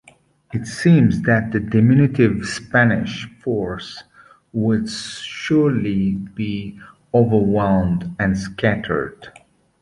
It seemed that the diminutive Spanish force would surely be overwhelmed and scattered.